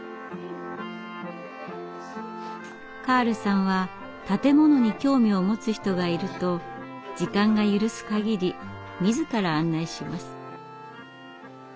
カールさんは建物に興味を持つ人がいると時間が許す限り自ら案内します。